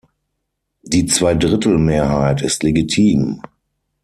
Die Zweidrittelmehrheit ist legitim.